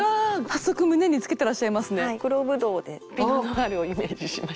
黒ブドウでピノ・ノワールをイメージしました。